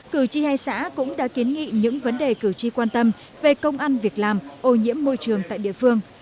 cử tri hai xã cũng đã kiến nghị những vấn đề cử tri quan tâm về công ăn việc làm ô nhiễm môi trường tại địa phương